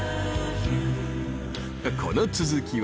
［この続きは］